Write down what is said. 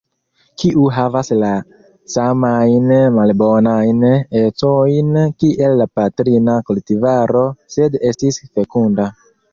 Kiu havas la samajn malbonajn ecojn kiel la patrina kultivaro, sed estis fekunda.